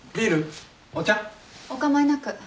お構いなく。